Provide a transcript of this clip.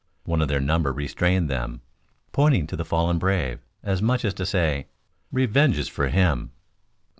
One of their number restrained them, pointing to the fallen brave, as much as to say, "Revenge is for him!"